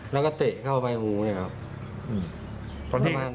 แล้วก็เตะเข้าไปหูเนี่ยครับ